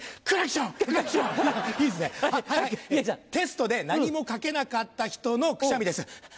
テストで何も書けなかった人のくしゃみです。